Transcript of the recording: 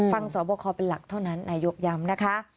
สอบคอเป็นหลักเท่านั้นนายกย้ำนะคะ